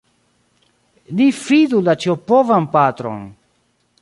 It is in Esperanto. Ni fidu la Ĉiopovan Patron!